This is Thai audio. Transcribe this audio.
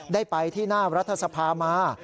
ได้ไปที่หน้ารัฐสภามา